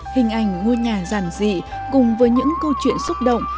hình ảnh ngôi nhà giản dị cùng với những câu chuyện xúc động